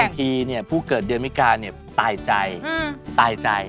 บางทีเนี่ยผู้เกิดเดือนมิการเนี่ยตายใจตายใจ